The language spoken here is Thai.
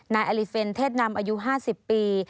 อลิเฟนเทศนำอายุ๕๐ปี